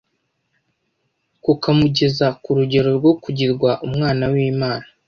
kukamugeza ku rugero rwo kugirwa umwana w’Imana.